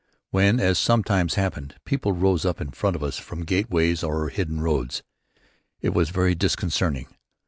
When, as sometimes happened, people rose up in front of us from gateways or hidden roads, it was very disconcerting.